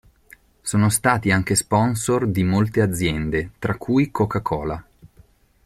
Sono stati anche sponsor di molte aziende, tra cui Coca-Cola.